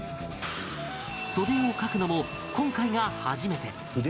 袖絵を描くのも今回が初めて